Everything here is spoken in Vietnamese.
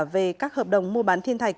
về các hợp đồng mua bán thiên thạch